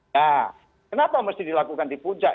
nah kenapa mesti dilakukan di puncak